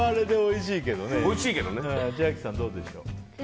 千秋さん、どうでしょう？